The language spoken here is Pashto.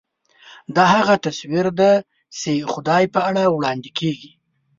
دا هغه تصویر دی چې خدای په اړه وړاندې کېږي.